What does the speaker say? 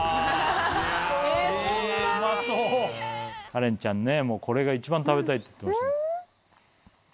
カレンちゃんこれが一番食べたいって言ってました。